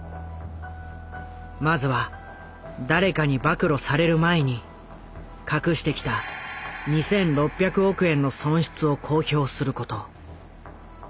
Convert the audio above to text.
まずは誰かに暴露される前に隠してきた２６００億円の損失を公表すること。